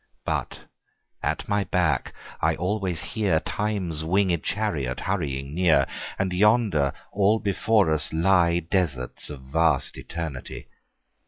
But at my back I alwaies hearTimes winged Charriot hurrying near:And yonder all before us lyeDesarts of vast Eternity.